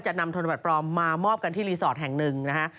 นำธนบัตรปลอมมามอบกันที่รีสอร์ทแห่งหนึ่งนะฮะ